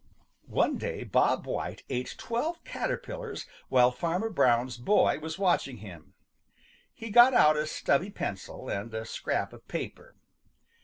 One day Bob White ate twelve caterpillars while Farmer Brown's boy was watching him. He got out a stubby pencil and a scrap of paper.